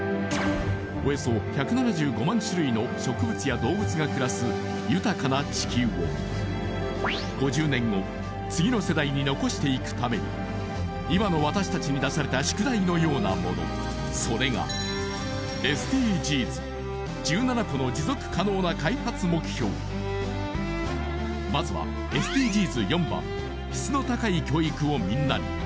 およそ１７５万種類の植物や動物が暮らす豊かな地球を５０年後次の世代に残していくために今の私たちに出された宿題のようなものそれがまずはＳＤＧｓ４番「質の高い教育をみんなに」